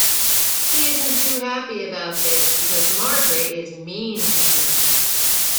He isn't too happy about this, because Margaret is mean to him.